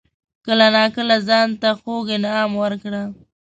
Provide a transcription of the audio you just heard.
کله ناکله ځان ته خوږ انعام ورکړه.